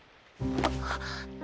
あっ。